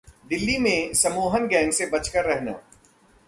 दिल्ली में सम्मोहन गैंग से बचकर रहना